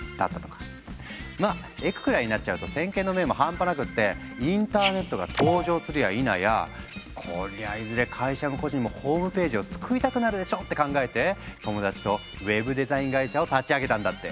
まあエクくらいになっちゃうと先見の明も半端なくってインターネットが登場するやいなや「こりゃいずれ会社も個人もホームページを作りたくなるでしょ」って考えて友達とウェブデザイン会社を立ち上げたんだって。